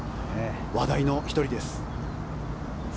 話題の１人です。